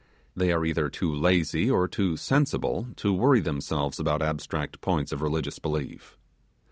They are either too lazy or too sensible to worry themselves about abstract points of religious belief.